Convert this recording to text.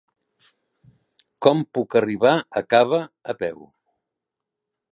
Com puc arribar a Cava a peu?